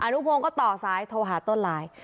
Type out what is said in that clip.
อนุพงก็ต่อสายโทรหาต้นลาย